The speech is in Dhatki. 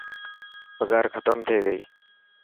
پگهار ختم ٿي گئي.